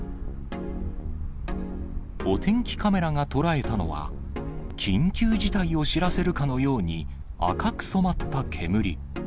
お天気カメラが捉えたのは、緊急事態を知らせるかのように、赤く染まった煙。